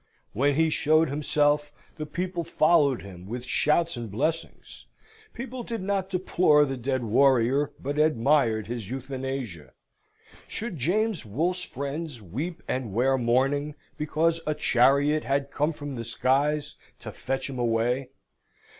When he showed himself, the people followed him with shouts and blessings. People did not deplore the dead warrior, but admired his euthanasia. Should James Wolfe's friends weep and wear mourning, because a chariot had come from the skies to fetch him away?